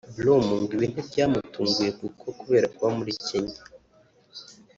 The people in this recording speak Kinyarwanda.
Brom ngo ibi ntibyamutunguye kuko kubera kuba muri Kenya